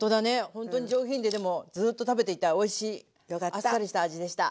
ほんとに上品ででもずっと食べていたいおいしいあっさりした味でした。